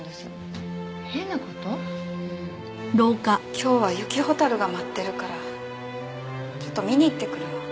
今日は雪螢が舞ってるからちょっと見に行ってくるわ。